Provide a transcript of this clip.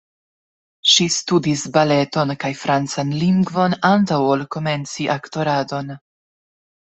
Ŝi studis baleton kaj francan lingvon antaŭ ol komenci aktoradon.